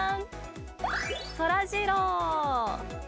そらジロー。